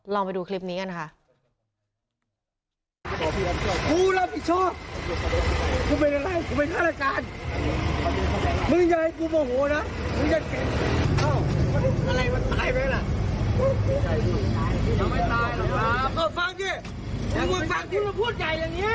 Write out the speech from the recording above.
ไปดูคลิปนี้กันค่ะ